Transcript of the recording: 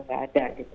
nggak ada gitu